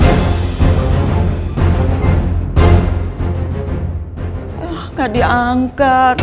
neng andin dia keluarga neng andin